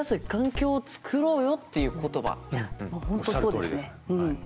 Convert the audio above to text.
おっしゃるとおりです。